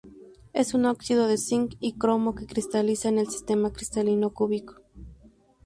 Es un óxido de zinc y cromo, que cristaliza en el sistema cristalino cúbico.